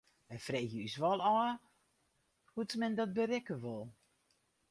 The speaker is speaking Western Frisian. We freegje ús wol ôf hoe't men dat berikke wol.